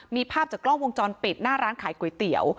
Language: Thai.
มีภาพจากกล้องวงจรปิดหน้าร้านขายก๋วยเตี๋ยว